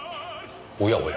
おやおや。